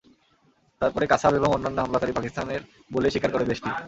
তবে পরে কাসাব এবং অন্যান্য হামলাকারী পাকিস্তানের বলেই স্বীকার করে দেশটি।